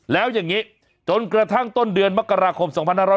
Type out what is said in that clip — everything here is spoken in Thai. แล้วอย่างนี้จนกระทั่งต้นเดือนมกราคม๒๕๖๐